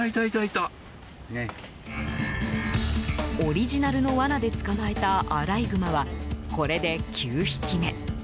オリジナルの罠で捕まえたアライグマは、これで９匹目。